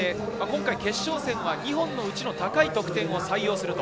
決勝戦は２本のうちの高い得点を採用すると。